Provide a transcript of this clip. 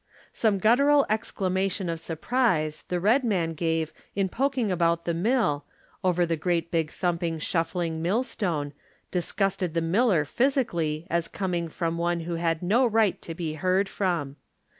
Some guttural exclamation of surprise The Red Man gave in poking about the mill Over the great big thumping shuffling mill stone Disgusted the Miller physically as coming From one who had no right to be heard from.